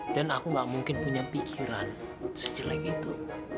dan aku gak mungkin punya pikiran sejelek itu